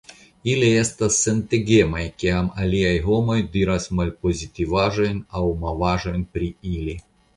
Ili estas sentegemaj kiam aliaj homoj diras malpozitivaĵojn aŭ mavaĵojn pri ili.